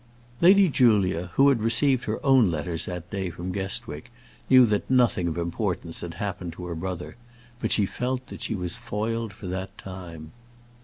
Lady Julia, who had received her own letters that day from Guestwick, knew that nothing of importance had happened to her brother; but she felt that she was foiled for that time.